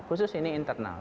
khusus ini internal